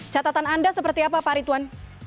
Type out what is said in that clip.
catatan anda seperti apa pak ritwan